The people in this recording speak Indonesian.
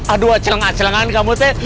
aduh celeng celengan kamu teh